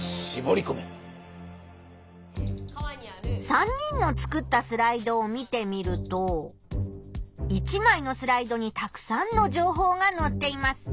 ３人の作ったスライドを見てみると１まいのスライドにたくさんの情報がのっています。